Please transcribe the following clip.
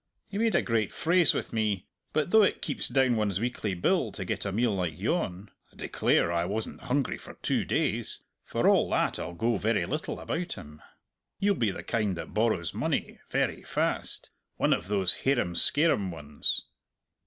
He made a great phrase with me; but though it keeps down one's weekly bill to get a meal like yon I declare I wasn't hungry for two days for all that I'll go very little about him. He'll be the kind that borrows money very fast one of those harum scarum ones!"